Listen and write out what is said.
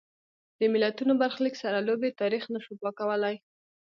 د ملتونو برخلیک سره لوبې تاریخ نه شو پاکولای.